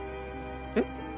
えっ？